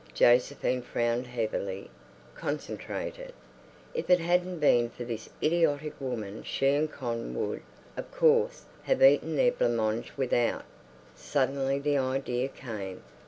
Josephine frowned heavily—concentrated. If it hadn't been for this idiotic woman she and Con would, of course, have eaten their blancmange without. Suddenly the idea came.